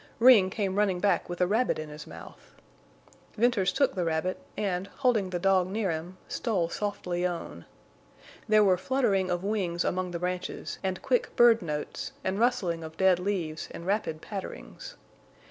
Ring came running back with a rabbit in his mouth. Venters took the rabbit and, holding the dog near him, stole softly on. There were fluttering of wings among the branches and quick bird notes, and rustling of dead leaves and rapid patterings.